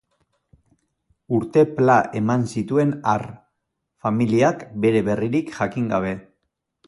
Urte pla eman zituen har, familiak bere berririk jakin gabe.